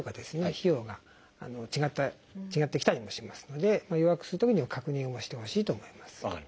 費用が違ってきたりもしますので予約するときには確認をしてほしいと思います。